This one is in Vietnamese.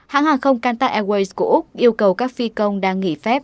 hãng hàng không kanta airways của úc yêu cầu các phi công đang nghỉ phép